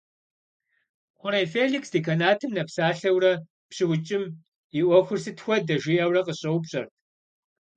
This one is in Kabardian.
Хъурей Феликс деканатым нэпсалъэурэ, «ПщыукӀым и Ӏуэхур сыт хуэдэ?» жиӏэурэ къысщӏэупщӏэрт.